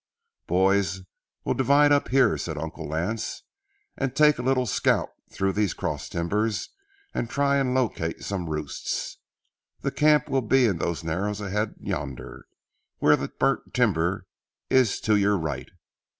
"Boys, we'll divide up here," said Uncle Lance, "and take a little scout through these cross timbers and try and locate some roosts. The camp will be in those narrows ahead yonder where that burnt timber is to your right.